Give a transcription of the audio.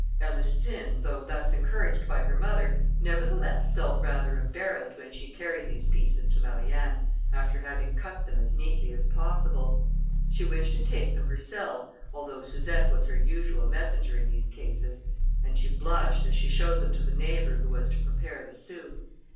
Ernestine, though thus encouraged by her mother, nevertheless felt rather embarrassed when she carried these pieces to Marianne, after having cut them as neatly as possible. She wished to take them herself, although Suzette was her usual messenger in these cases, and she blushed, as she showed them to the neighbour who was to prepare the soup.